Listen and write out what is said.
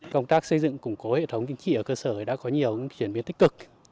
công tác xây dựng củng cố hệ thống chính trị ở cơ sở đã có nhiều chuyển biến tích cực